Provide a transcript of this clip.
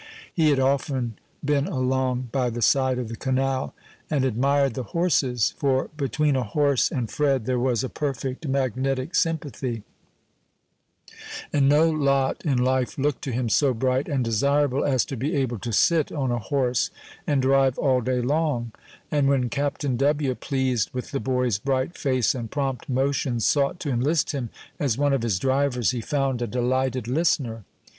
He had often been along by the side of the canal, and admired the horses; for between a horse and Fred there was a perfect magnetic sympathy, and no lot in life looked to him so bright and desirable as to be able to sit on a horse and drive all day long; and when Captain W., pleased with the boy's bright face and prompt motions, sought to enlist him as one of his drivers, he found a delighted listener.